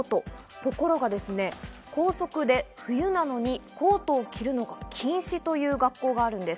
ところが校則で冬なのにコートを着るのを禁止という学校があるんです。